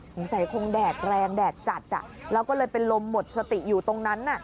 สงสัยคงแดดแรงแดดจัดแล้วก็เลยเป็นลมหมดสติอยู่ตรงนั้น